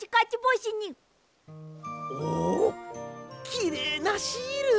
きれいなシール。